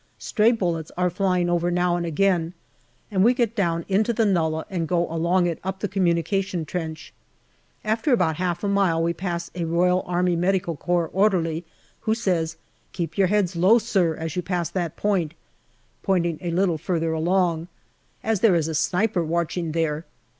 Stray bullets are flying over now and again, and we get down into the nullah and go along it up the communication trench. After about half a mile of it, we pass an R.A.M.C. orderly, who says, " Keep your heads low, sir, as you pass that point," pointing a little farther along, " as there is a sniper watching there."